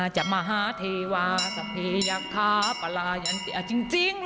จริง